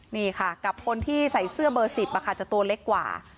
นี่ค่ะกับคนที่ใส่เสื้อเบอร์๑๐จะตัวเล็กกว่า